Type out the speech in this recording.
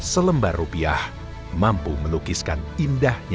selembar rupiah mampu melukiskan indahnya